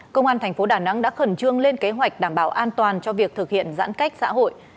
công an thành phố đà nẵng đã khẩn trương lên kế hoạch đảm bảo an toàn cho việc thực hiện giãn cách xã hội